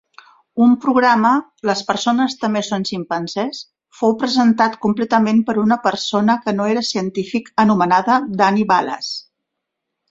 Un programa "Les persones també són ximpanzés" fou presentat completament per una persona que no era científic anomenada Danny Wallace.